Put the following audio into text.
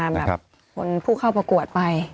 แบบคนผู้เข้าประกวดไป